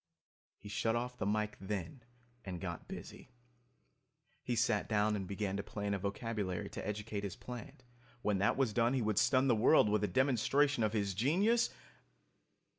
He shut off the mike, then, and got busy. He sat down and began to plan a vocabulary to educate his plant. When that was done he would stun the world with a demonstration of his genius